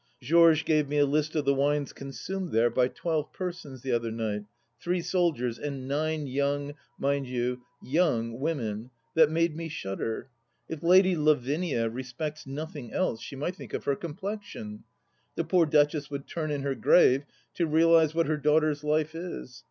Georges gave me a list of the wines consumed there by twelve persons the other night — three soldiers and nine young — ^mind you, young women I — that made me shudder. If Lady Lavinia respects nothing else she might think of her complexion 1 The poor Duchess would turn in her grave to realize what her daughter's life is.